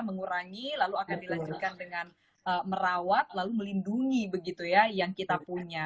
mengurangi lalu akan dilanjutkan dengan merawat lalu melindungi begitu ya yang kita punya